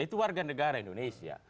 itu warga negara indonesia